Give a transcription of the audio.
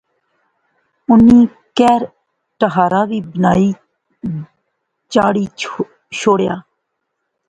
انی کہھر ٹہارا وی بنائی چاڑی شوڑیا